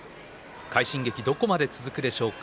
快進撃どこまで続くでしょうか。